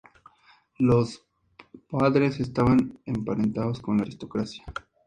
Los padres estaban emparentados con la aristocracia.